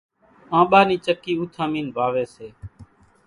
آنٻا نِي چڪِي اُوٿامينَ ووائيَ سي۔